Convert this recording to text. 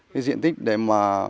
cái diện tích để mà